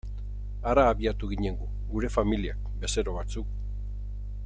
Hara abiatu ginen gu, gure familiak, bezero batzuk...